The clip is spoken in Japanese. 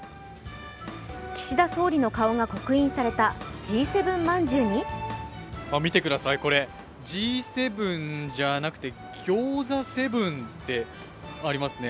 岸田総理の顔が刻印されたＧ７饅頭に見てください、これＧ７じゃなくてＧｙｏｚａ７ってありますね。